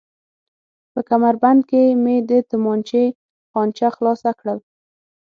په کمربند کې مې د تومانچې خانچه خلاصه کړل.